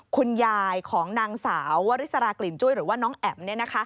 คุณยายของนางสาววริสรากลิ่นจุ้ยหรือว่าน้องแอ๋ม